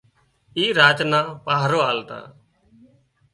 اي راچ نان پاهرو آلتا